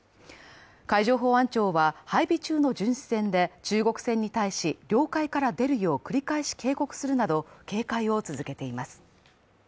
海上保安庁は配備中の巡視船で、中国船に対し、領海から出るよう繰り返し警告するよう警戒を続けています。